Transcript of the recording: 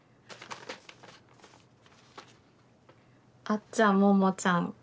「あっちゃんももちゃん